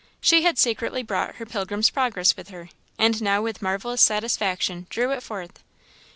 She had secretly brought her Pilgrim's Progress with her, and now with marvellous satisfaction drew it forth.